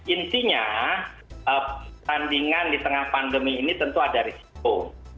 intinya pertandingan di tengah pandemi ini tentu ada risiko